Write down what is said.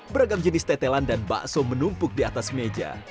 beragam jenis tetelan dan bakso menumpuk di atas meja